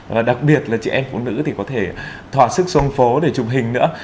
và đặc biệt là chị em phụ nữ thì có thể thỏa sức xuống phố để chụp hình nữa